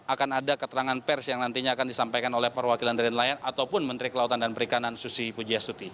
akan ada keterangan pers yang nantinya akan disampaikan oleh perwakilan dari nelayan ataupun menteri kelautan dan perikanan susi pujiastuti